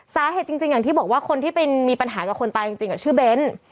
สาเหตุจริงอย่างที่บอกว่าคนที่ไปมีปัญหากับคนตายจริงชื่อเบ้น